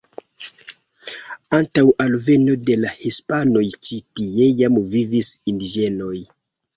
Antaŭ alveno de la hispanoj ĉi tie jam vivis indiĝenoj.